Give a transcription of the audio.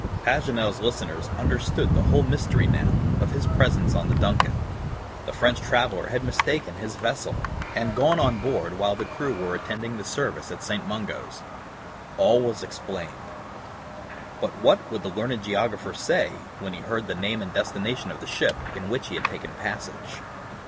Paganel's listeners understood the whole mystery, now, of his presence on the DUNCAN. The French traveler had mistaken his vessel, and gone on board while the crew were attending the service at St. Mungo's. All was explained. But what would the learned geographer say, when he heard the name and destination of the ship, in which he had taken passage?